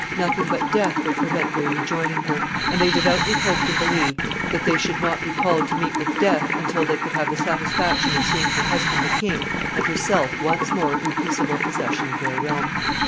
Nothing but death would prevent their rejoining her, and they devoutly hoped and believed that they should not be called to meet with death until they could have the satisfaction of seeing her husband the king and herself once more in peaceable possession of their realm.